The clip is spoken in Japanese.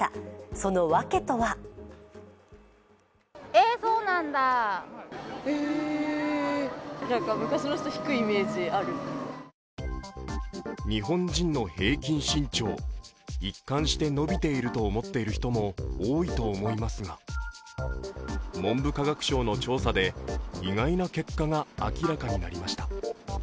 そのわけとは？日本人の平均身長一貫して伸びていると思っている人も多いと思いますが文部科学省の調査で意外な結果が明らかになりました。